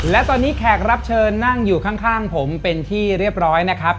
และตอนนี้แขกรับเชิญนั่งอยู่ข้างผมเป็นที่เรียบร้อยนะครับ